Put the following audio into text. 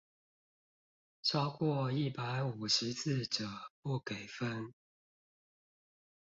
超過一百五十字者不給分